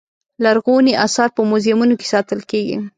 لرغوني اثار په موزیمونو کې ساتل کېږي.